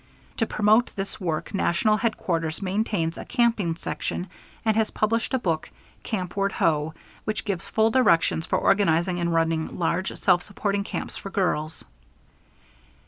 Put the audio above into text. To promote this work national headquarters maintains a camping section and has published a book, "Campward Ho!" which gives full directions for organizing and running large, self supporting camps for girls.